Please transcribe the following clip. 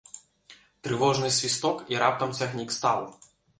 Трывожны свісток, і раптам цягнік стаў.